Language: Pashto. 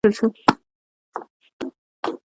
د روم د عوامو جرګې ویاند تیبریوس ګراکچوس ووژل شو